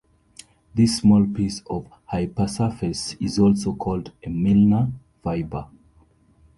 This small piece of hypersurface is also called a "Milnor fiber".